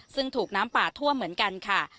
ซึ่งถูกน้ำป่าทั่วเหมือนกันค่ะ